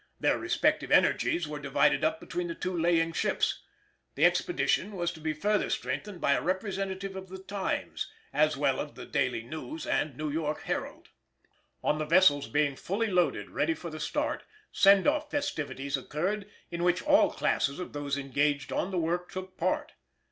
Their respective energies were divided up between the two laying ships. The expedition was to be further strengthened by a representative of The Times, as well as of the Daily News and New York Herald. [Illustration: FIG. 13. Coiling the Cable on Board.] On the vessels being fully loaded ready for the start, "send off" festivities occurred, in which all classes of those engaged on the work took part.